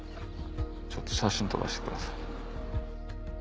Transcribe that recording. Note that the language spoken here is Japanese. ちょっと写真撮らせてください。